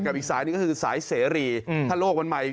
อีกสายหนึ่งก็คือสายเสรีถ้าโลกมันใหม่